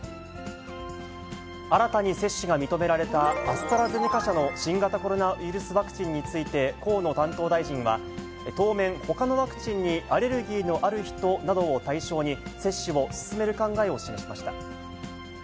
新たに接種が認められたアストラゼネカ社の新型コロナウイルスワクチンについて、河野担当大臣は、当面、ほかのワクチンにアレルギーのある人などを対象に、接種を進める考えを示しました。